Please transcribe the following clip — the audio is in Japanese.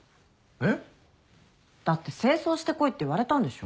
えっ？だって正装してこいって言われたんでしょ？